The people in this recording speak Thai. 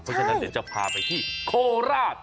เพราะฉะนั้นเดี๋ยวจะพาไปที่โคราช